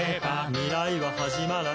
「未来ははじまらない」